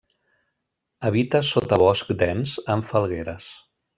Habita sotabosc dens amb falgueres.